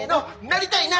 なりたいな！